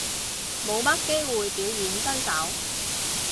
冇乜機會表演身手